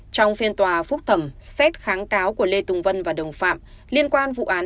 trong phiên tòa phúc thẩm xét kháng cáo của lê tùng vân và đồng phạm liên quan vụ án